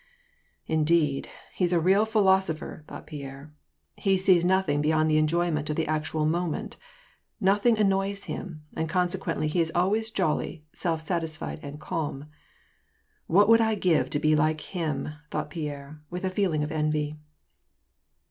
" Indeed, he's a real philosopher !" thought Pierre. " He sees nothing beyond the enjoyment of the actual moment ; nothing annoys him, and consequently he is always jolly, self satisfied, and calm. What would I not give to be like him !" thought Pierre, with a feeling of envy.